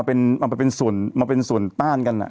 เอามาเป็นส่วนต้านกันอะ